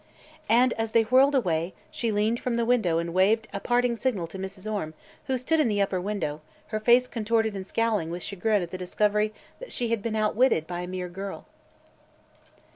And, as they whirled away, she leaned from the window and waved a parting signal to Mrs. Orme, who stood in the upper window, her face contorted and scowling with chagrin at the discovery that she had been outwitted by a mere girl.